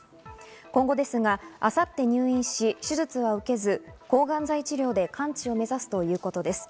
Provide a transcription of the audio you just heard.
今後、明後日入院し、手術を受けず抗がん剤治療で完治を目指すということです。